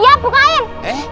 iya buka air